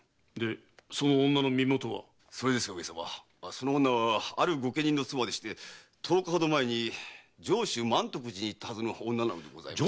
その女はある御家人の妻でして十日ほど前に上州満徳寺に行ったはずの女なのです。